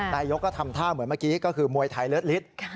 นายกก็ทำท่าเหมือนเมื่อกี้ก็คือมวยไทยเลิศฤทธิ์